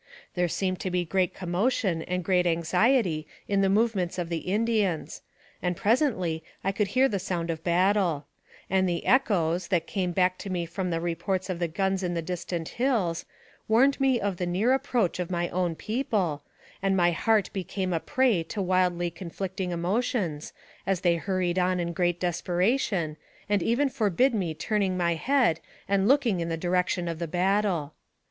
There seemed to be great commotion and great anxiety in the movements of the Indians, and presently I could hear the sound of battle; and the echoes, that came back to me from the reports of the guns in the distant hills, warned me of the near approach of my own people, and my heart became a prey to wildly conflicting emotions, as they hurried on in great des peration, and even forbid me turning my head and looking in the direction of the battle.